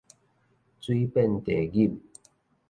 水遍地錦